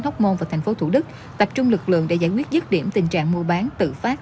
hóc môn và tp hcm tập trung lực lượng để giải quyết dứt điểm tình trạng mua bán tự phát